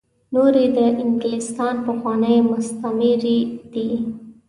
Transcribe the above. نور یې د انګلستان پخواني مستعميري دي.